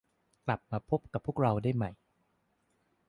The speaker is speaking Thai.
กลับมาพบกับพวกเราได้ใหม่